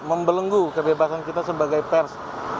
membelenggu kebebasan kita sebagai pers